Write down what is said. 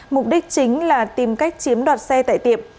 mục đích chính là tìm cách chiếm đoạt xe tại tiệm